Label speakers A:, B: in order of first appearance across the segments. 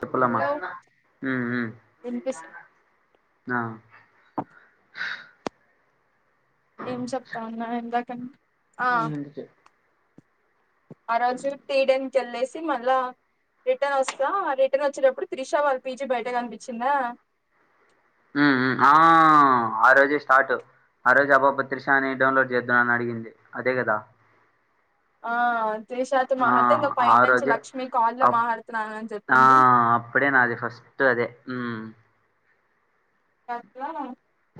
A: చెప్పలమ్మా
B: hello
A: ఉ ఉ
B: వినిపిస్
A: ఆ
B: ఏం చెప్తా ఉన్నా ఇందాక
A: ఎందుకే [unintelligible]
B: ఆ రోజు తేడానికి వెళ్లేసి మళ్ళా రిటర్న్ వస్తా రిటర్న్ వచ్చేటప్పుడు త్రిషా వాళ్ళ పీజీ బయట కనిపిచిందా
A: ఆ ఆ రోజే స్టార్ట్ ఆ రోజు అబా అబా త్రిషా అని డౌన్లోడ్ చేద్దన్నామని అడిగింది అదే కదా
B: ఆ త్రిషా తొ
A: ఆ
B: మాట్లాడితే ఇంకా పై
A: ఆ
B: నుంచి
A: రోజే
B: లక్ష్మి కాళ్ల్లో
A: అప్
B: మాట్లాడుతున్నానని
A: ఆ
B: చెప్పింది
A: అప్పుడే నాది ఫస్ట్ అదే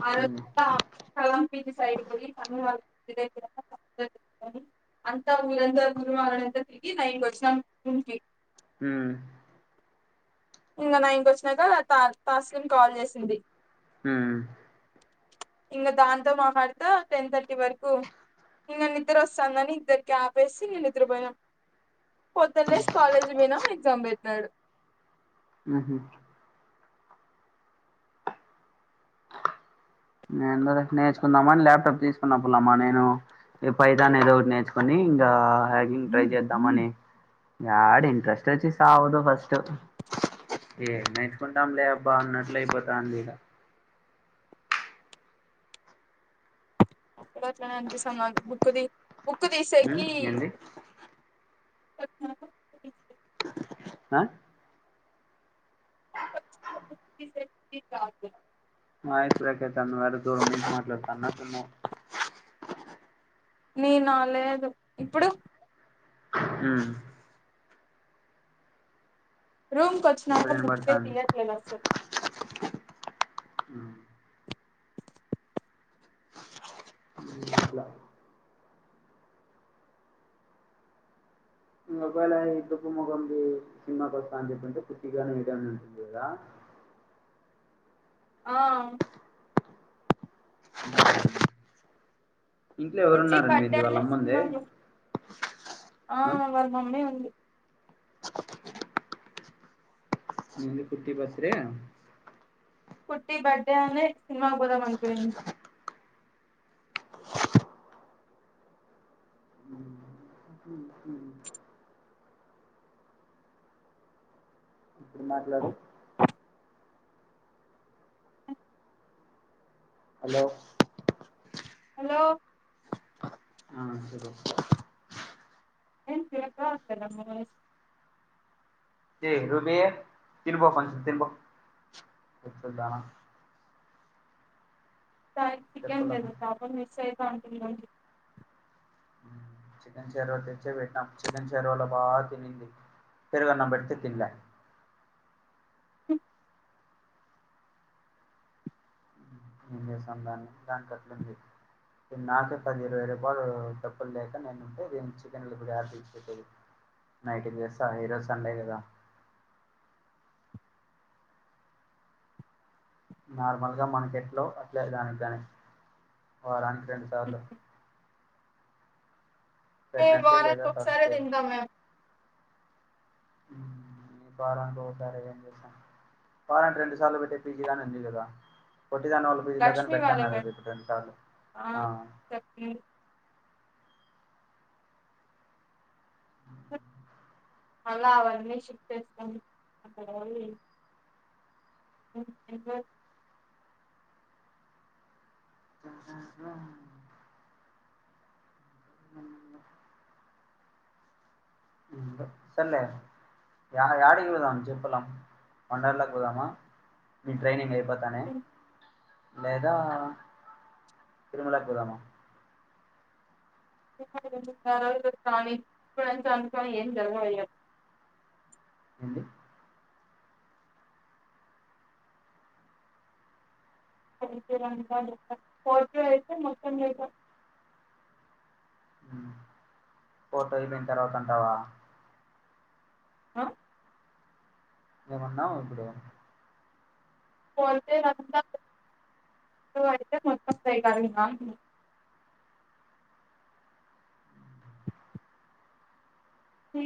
B: అర
A: ఉమ్
B: కంపిది సైడ్ మ అ [unintelligible] ఇ [unintelligible] అంత ఉరంతా [unintelligible] పూరు మనంత తిరిగి నైన్ కి వచ్చినం రూంకి
A: హ
B: ఇంకా నైన్ కి వచ్చినాక తా తాస్లిం కాల్ చేసింది
A: హ
B: ఇంకా దాంతో మా భర్త టెన్ థర్టీ వరకు ఇంక నిద్ర వస్తాందని ఇద్దరికి ఆపేసి నిద్ర పోయినం పొద్దున లేసి కాలేజ్కి పోయినం ఎగ్జామ్ పెట్టినాడు
A: ఆ ఎందోలె నేర్చుకుందామా అని ల్యాప్టాప్ తీసుకున్న పుల్లమ్మా నేను ఈ పైతానే ఏదో ఒకటి నేర్చుకొని ఇంకా హ్యాకింగ్ ట్రై చేద్దాం అని యాడ ఇంట్రెస్ట్ వచ్చి సావదు ఫస్ట్ ఏం నేర్చుకుంటాం లే అబ్బా అన్నట్లు అయిపోతాంది ఈడ
B: అక్కడ అట్లానే అనిపిస్తానది బుక్ తీ బుక్
A: ఉమ్
B: తీసేకి
A: ఏంది ఆ
B: స కాదు [unintelligible]
A: మా ఇరకతడ దూరం నుంచి మాట్లడతన్ననేమో
B: నేనా లేదు ఇప్పుడు
A: మ్మ్
B: రూమ్కి
A: ఇప్పుడు
B: వచ్చినక బుకే
A: వినబడతాంది
B: తీయట్లేదు అస్సలు
A: మ్ మ్ ఇట్ల ఇంక ఒకవేళ తుంపు ముఖంది సినిమాకి వస్తాని చెప్పింటే పుర్తిగానే మీకు ఎమన్న అనిపించింద
B: ఆ
A: అ ఇంట్లో
B: పుట్టి బర్త్డే
A: ఎవరున్నారండి
B: అనే
A: వాళ్ళమ్ముందే
B: సినిమా ఆ
A: అ
B: వాళ్ళ మమ్మీ ఉంది
A: లిల్లీ కుట్టి బస్రే
B: కుట్టి బర్డే అనే సినిమాకు పోదం అనుకున్నాను
A: మ్ మాట్లాడు హలో
B: హలో
A: ఆ చెప్పు
B: ఏం చేత్త అందనమోయ్
A: ఏ రూబీ తినుబో కుంచెం తింబో
B: సార్ చికెన్
A: చెప్పలమ్మ
B: లేదు పాపం మిస్సయిత ఉంటుంది దానికి
A: చికెన్ చెరువ తెచ్చే పెట్టాం చికెన్ చెరువలో బాగా తినింది పెరుగన్నం పెడితే తిన్లే
B: మ్
A: ఎ సన్దాన్ని దానికి అట్లుంది నాకే పది ఇరవై రూపాయలు డబ్బులు లేక నేను ఉంటేే దీని చికెన్లు తెచ్చి పెట్టేది నైటి జేసా ఈరోజు సండే కదా నార్మల్ గా మనకెట్లో అట్లే దానికి దాని వారానికి రెండు సార్లు
B: ఏ
A: వెడ్నెస్డే
B: వారానికి
A: లేదా
B: ఒక ఒక సారే
A: థర్స్డే
B: తింటాం మేము
A: వారానికి ఒకసారే ఏం చేశాను వారానికి రెండు సార్లు పెట్టే పీజీగాని ఉంది కదా పొట్టిదాని వాళ్ళ పిజిలోగాని
B: లక్ష్మి వాళ్ళే
A: పెట్టన్నారు
B: పెట్
A: ఇప్పుడు రెండు సార్లు ఆ
B: చెప్పి అలా అవన్నీ షిఫ్ట్ చేస్తాం అక్కడ ఒల్ని అంతెగ
A: ఇంకేంచెద్దాం మిమ్మల్నె సర్లే యా యాడకి పోదాం చెప్పలం వండర్ల పోదామ మీ ట్రైనింగ్ అయి పోతనే లేదా తిరుమలకి పోదామా
B: ఇప్పటి నుంచి ఆలోచిస్తానే ఇప్పట్నించి అనుకో ఏం జరగవయ్య
A: అండి
B: [unintelligible] ఫోర్టు అయితే మొత్తం డేటా
A: ఉమ్మ్ పోతాయి దిని తర్వాత అంటావా
B: ఆ
A: ఏమన్నావ్ ఇప్పుడు
B: పోతే అంతా ఇవి అయితే మొత్తం పోయిగ ఇంకా అంటున్న అ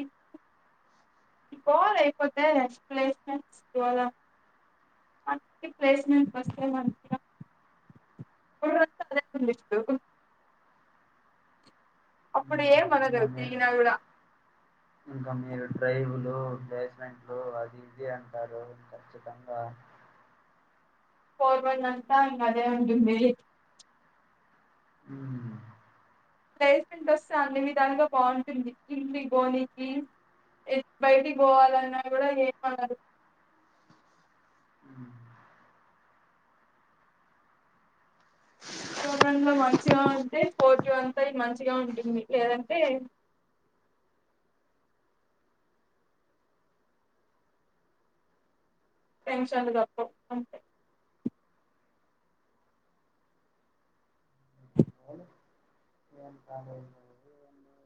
B: ఈకోర్ అయిపోతే ప్లేస్మెంట్స్ గోల మంచి ప్లేస్మెంట్ వస్తే మంచిగా బుర్రంతా అదే ఉంది ఇప్పుడు అప్పుడు
A: ఉమ్,
B: ఎమనదు
A: ఇంకా మీరు
B: తిరిగినా కూడా
A: ఇంకా మీరు డ్రైవ్లు ప్లేస్మెంట్లు అది ఇది అంటారు ఖచ్చితంగా
B: కోర్మండ్డ్ అంతా ఇంగ అదే ఉంటుంది
A: ఉమ్మ్
B: ప్లేస్మెంట్ వస్తే అన్ని విధాలుగా బాగుంటుంది ఇంటికి పోనీకి ఇఫ్ బయటికి పోవాలన్నా కూడా ఏమనరు
A: ఉమ్మ్
B: కోరమంగళ మంచిగా ఉంటే స్పోర్టివ్ అంతా మంచిగా ఉంటుంది లేదంటే టెన్షన్లు తప్పవ్ అంతే
A: ఏం కాలేజీలో ఎందో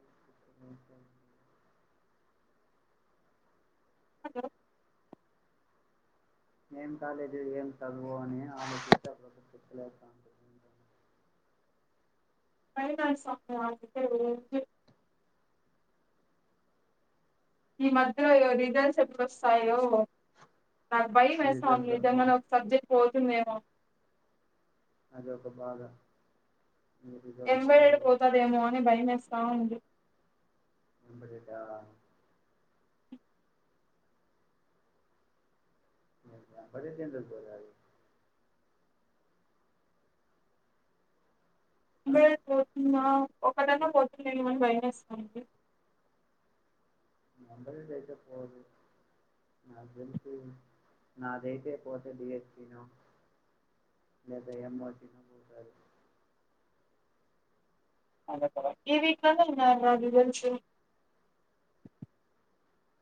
B: హలో
A: ఏంకాలేజో ఏంచదువో అని ఆలోచిస్తే అప్పుడప్పుడు పిచ్చి లేస్తాంటది ఇంక
B: భయమేస్తాంది ఆలోచిస్తే ఉకే ఈ మధ్యలోయో రిజల్ట్స్ ఎప్పుడోస్తాయో నాకు
A: మీ రిజల్ట్
B: భయమేస్తావుంది
A: ఆ
B: నిజంగానే ఒక సబ్జెక్ట్ పోతుందేమో
A: అదొక బాధ మీ రిజల్ట్
B: యంబైఎడు పోతదేమో అని భయమేస్తా ఉంది
A: యంబ్రిడా [unintelligible] ఆ
B: లేదు ఇంగ ఒకటైనా పోతుందేమో అని భయమేస్తుంది
A: నంబరిడ్ అయితే పోదు నాకు తెలిసి నాదైతే పోతే డీఎస్సీనో లేదా ఏమోజినో పోతాది
B: ఈ వీక్లోనే కదా రా రిజల్ట్స్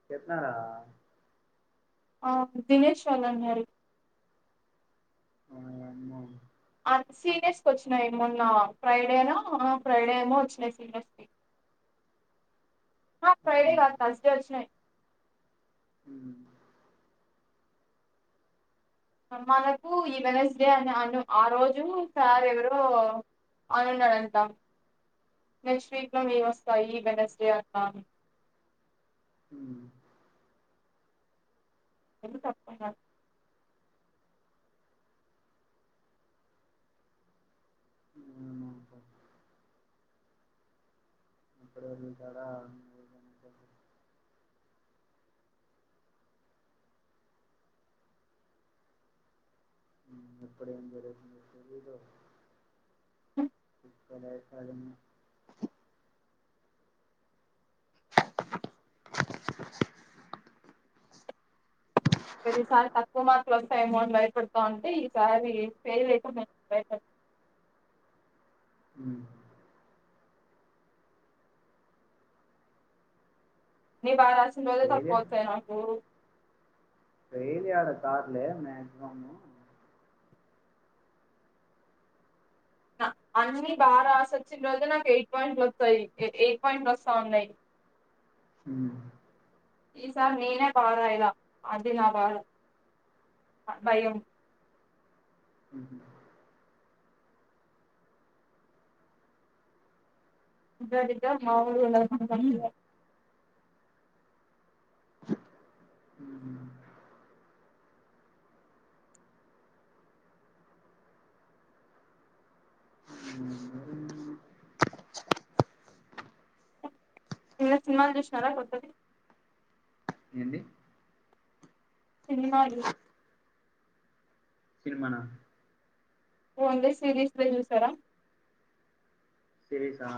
A: చెప్పిన
B: ఆ దినేష్ వాళ్లు అన్నారు
A: వాయమ్మో
B: ఆ సీనియర్స్ కి వచ్చినాయి మొన్న ఫ్రైడేనో ఫ్రైడే ఏమో వచ్చినాయి సీనియర్స్ కి హా ఫ్రైడే
A: మ్మ్
B: కాదు తర్స్‌డే వచ్చినాయి
A: ఉమ్మ్
B: మనకు ఈవెన్స్డే అని అను ఆరోజు సార్ ఎవరో ఆడున్నాడంట. నెక్స్ట్ వీక్ లో నేను వస్తా, ఈ వెడ్నెస్డే అంటాండు.
A: హ్మ్
B: ఎవలు తప్పేంగాదు.
A: ఏమో [inaudible] ఎప్పుడ [unintelligible] ఇక్కడ హలీం మ్.
B: ప్రతిసారి తక్కువ మార్క్స్ వస్తాయేమోని భయపడతా ఉంటే. ఈసారి ఫెయిల్యడా భయప. [inaudible]
A: హ్మ్
B: నేను బాగా రాసిన రోజే
A: తెలీదు
B: తక్కువ వస్తాయి నాకు.
A: ఏం చేయాలి కావట్లే మాక్సిమం.
B: అన్ని బాగా రాసి వచ్చిన రోజు నాకు ఎయిట్ పాయింట్లు వస్తాయి ఎయిట్ పాయింట్లు వస్తా ఉన్నాయి. [inaudible]
A: హ్మ్
B: ఈ సారి నినే పాడయలా అది నా పాడు భయంమ్.
A: హ్మ్
B: [unintelligible] మామూలుగా ఉండదు మా. [unintelligible] నిన్న సినిమాలు చూసినారా కొత్తది.
A: ఏంటి.
B: సినిమాలు.
A: సినిమానా.
B: ఓన్లీ సిరీస్ లో చూసారా.
A: సిరీస్ ఆ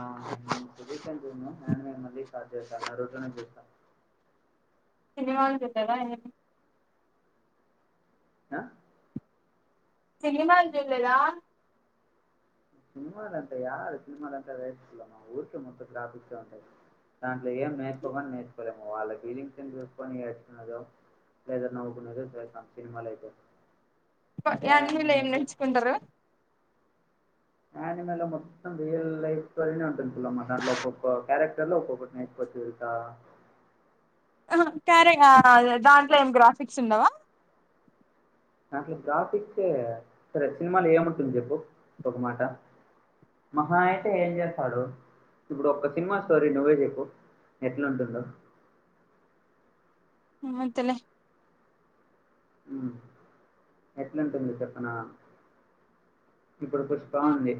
A: సిరీస్ ఏం చూడను. [unintelligible]
B: [inaudible]
A: ఆ
B: సినిమాలు చూడలేదా.
A: సినిమాలంటే యారు సినిమాలంటే [unintelligible] దాంట్లో ఏం నేర్చుకని నేర్చుకోలేము. వాళ్ళ ఫీలింగ్స్ చూసుకొని నేర్చుకున్నదో. ఏదైనా నవ్వుకునేదే చూస్తా సినిమాలయితే.
B: యానిమల్ లో ఏం నేర్చుకుంటారు.
A: ఆనిమల్ లో మొత్తం రియల్ లైఫ్ స్టోరీనే ఉంటుంది. పులమ్మాట అ ఒక్కొక్క క్యారెక్టర్ లో ఒక్కొక్క [unintelligible] [inaudible]
B: అసలు కరే గ దాంట్లో ఏమి గ్రాఫిక్స్ ఉండవా.
A: దాంట్లో గ్రాఫిక్స్ సరే సినిమాలు ఏముంటుంది చెప్పు ఒక మాట. మహా అయితే ఏం చేస్తాడు. ఇప్పుడు ఒక్క సినిమా స్టోరీ నువ్వే చెప్పు ఎట్లాంటుందో.
B: ఏం వద్దులే.
A: హ్మ్, ఎట్లాంటుంది చెప్పనా. ఇప్పుడు పుష్పా ఉంది.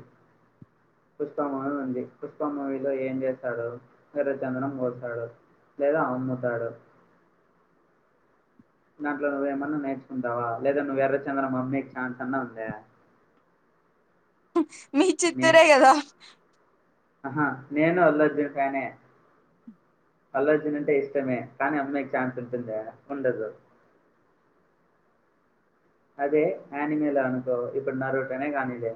A: పుష్పమూవీ ఉంది పుష్పమూవీలో ఏం చేశాడు ఎర్రచందనం కోశాడు. లేదా అమ్ముతాడు.
B: [inaudible]
A: దాంట్లో నువ్వేమన్నా నేర్చుకుంటావా లేదా నువ్వు ఎర్రచందనం అమ్మే ఛాన్స్ అన్న ఉందా.
B: మీ చిత్తూరు కదా.
A: అహా నేను అల్లజ్జున్ ఫ్యానే అల్లజున్ అంటే ఇష్టమే కానీ అమ్మాయికి ఛాన్స్ ఉంటుందా ఉండదు అదే ఆనిమెలే అనుకో ఇప్పుడు నరుటునే గానీలే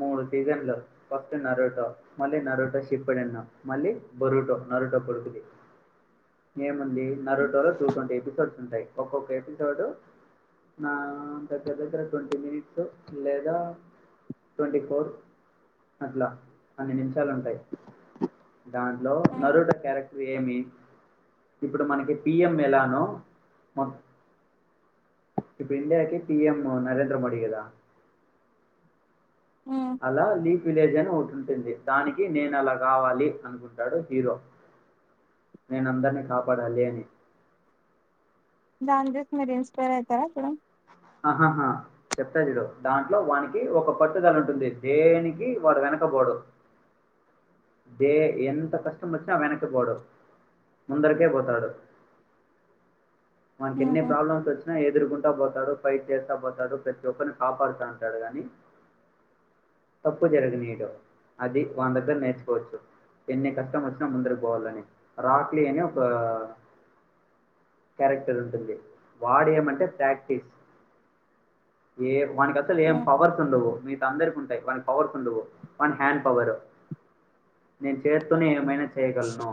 A: మూడు సీజన్లు ఫస్ట్ నరుటో మళ్ళీ నరుటో సిప్పెడెను మళ్ళీ బొరుటో నరుటో కొడుకుది ఏముంది నరుటోలో టూ టొంటీ ఎపిసోడ్స్ ఉంటాయి ఒక్కొక్క ఎపిసోడ్ నా దగ్గర దగ్గర టొంటీ మినిట్స్ లేదా టొంటీ ఫోర్ అట్ల అన్ని నిమిషాలుంటాయి దాంట్లో నరుటో క్యారెక్ ఏమి ఇప్పుడు మనకి పి ఎం ఎలానో మొ ఇప్పు ఇండియాకి పి ఎం నరేంద్ర మోడీ గదా అలా లీఫ్ విలేజ్ అని ఒకటుం దానికి నేనలా గావాలి అనుకుంటాడు హీరో నేను అందర్నీ కాపాడాలి అని
B: దాన్ని చూసి మీరు ఇన్స్పైర్ అయితరా అప్పుడు
A: ఆహాహా చెప్తా చూడు దాంట్లో వానికి ఒక పట్టుదల ఉంటుంది దేనికి వాడు వెన బోడు దే ఎంత కష్టం వచ్చిన వెనక్కి బోడు ముందరికే బోతాడు
B: [inaudible]
A: వానికిన్ని
B: ఇప్పుడు
A: ప్రాబ్లమ్స్ వచ్చినా ఎదుర్కుంటా బోతాడు ఫైట్ చేస్తా పోతాడు ప్రతి ఒక్కరిని కాపాడతాంటడు కాని తప్పు జరగనీయడు అది వాని దగ్గర నేర్చుకోవచ్చు ఎన్ని కష్టం వచ్చినా ముందరకి పోవాలని రాక్లీ అని ఒక క్యారెక్టర్ ఉంటుంది వాడు ఏమంటే ప్రాక్టీస్ ఏ వానికసలు ఏం పవర్స్ ఉండవు మిగతా అందరికుంటాయి వాన్ పవర్స్ ఉండవు వాని హ్యాండ్ పవరు
B: [inaudible]
A: నేను చేత్తోనే ఏమైనా చేయగలను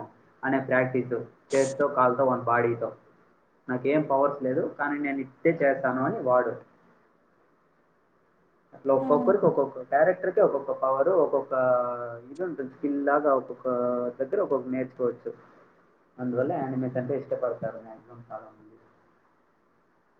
A: అనే ప్రాక్టీసు చేత్తో కాల్తో వాన్ బాడీతో నాకేం పవర్స్ లేదు కానీ నేను ఇట్టే చేస్తాను అని వాడు అట్ల ఒక్కొక్కరికి ఒక్కక్క క్యారెక్టర్ కి ఒక్కొక్క పవరు ఒక్కొక్క ఇదుంటుంది స్కిల్ లాగా ఒక్కొక్క దగ్గర ఒక్కొక్క నేర్చుకోవచ్చు అందువల్ల ఆనిమేష్ అంటే ఇష్టపడతారు మాక్సిమం చాలామంది
B: [inaudible]